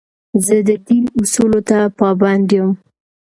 زه د دین اصولو ته پابند یم.